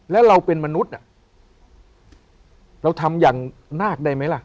แล้วเราเป็นมนุษย์เราทำอย่างนาคได้ไหมล่ะ